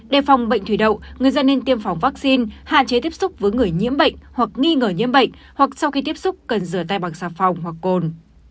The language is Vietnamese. đề phòng bệnh thủy đậu người dân nên tiêm phòng vaccine hạn chế tiếp xúc với người nhiễm bệnh hoặc nghi ngờ nhiễm bệnh hoặc sau khi tiếp xúc cần rửa tay bằng xà phòng hoặc cồn